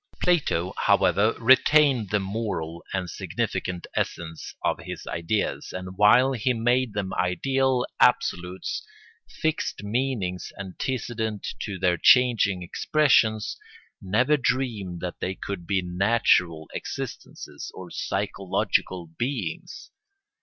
] Plato, however, retained the moral and significant essence of his ideas, and while he made them ideal absolutes, fixed meanings antecedent to their changing expressions, never dreamed that they could be natural existences, or psychological beings.